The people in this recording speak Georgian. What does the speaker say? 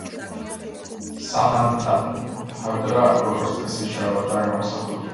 სამანტაბჰადრა, როგორც წესი, შავადაა გამოსახული.